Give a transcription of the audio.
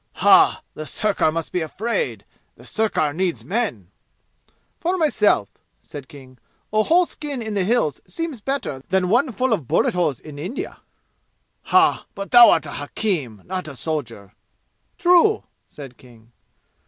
"Hah! The sirkar must be afraid. The sirkar needs men!" "For myself," said King, "a whole skin in the 'Hills' seems better than one full of bullet holes in India." "Hah! But thou art a hakim, not a soldier!" "True!" said King.